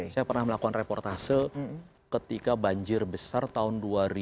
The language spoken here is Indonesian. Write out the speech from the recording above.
saya pernah melakukan reportase ketika banjir besar tahun dua ribu tujuh dua ribu tiga belas